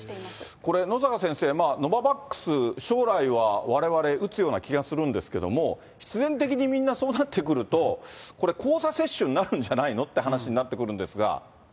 これ、野阪先生、ノババックス、将来はわれわれ、打つような気がするんですけども、必然的にみんなそうなってくると、これ、交差接種になるんじゃないのって話になってくるんですが。